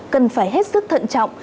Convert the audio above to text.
cần phải hết sức thận trọng